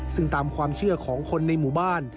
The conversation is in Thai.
ซึ่งตามความเชื่อของคนในหมู่บ้าน